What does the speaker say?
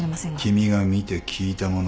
君が見て聞いたもの